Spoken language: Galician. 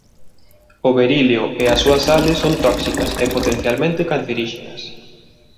O berilio e as súas sales son tóxicas e potencialmente canceríxenas.